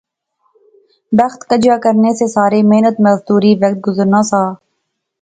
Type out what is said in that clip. بخت کجیا کرنے سے سارے، محنت مزدوری، وقت گزرنا سا